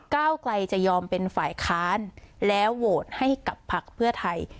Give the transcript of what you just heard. ก้าวไกลจะยอมเป็นฝ่ายค้านแล้วโหวตให้กับพักเพื่อไทย